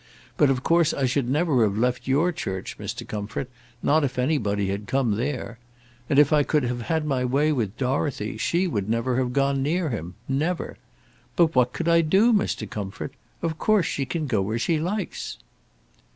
But of course I should never have left your church, Mr. Comfort, not if anybody had come there. And if I could have had my way with Dorothy, she would never have gone near him, never. But what could I do, Mr. Comfort? Of course she can go where she likes."